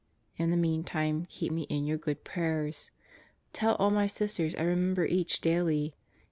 In the meantime keep me in your good prayers. Tell all my Sisters I remember each daily.